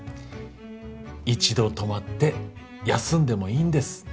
一度止まって休んでもいいんです。